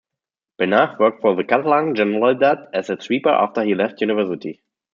Benach worked for the Catalan Generalitat as a sweeper after he left university.